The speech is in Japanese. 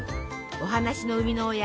お話の生みの親